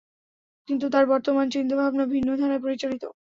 কিন্তু তার বর্তমান চিন্তা-ভাবনা ভিন্ন ধারায় পরিচালিত।